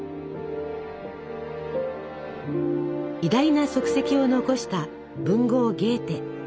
偉大な足跡を残した文豪ゲーテ。